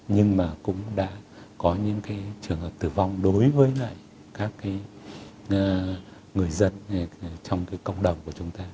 nhưng mà cũng đã có những cái trường hợp tử vong đối với các cái người dân trong cái cộng đồng của chúng ta